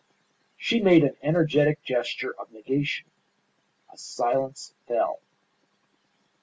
'" She made an energetic gesture of negation. A silence fell.